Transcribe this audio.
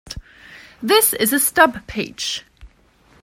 This is a stub page.